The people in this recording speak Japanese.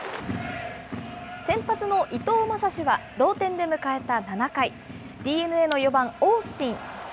先発の伊藤将司は同点で迎えた７回、ＤｅＮＡの４番オースティン。